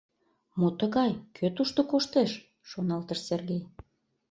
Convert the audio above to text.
«Мо тыгай, кӧ тушто коштеш? — шоналтыш Сергей.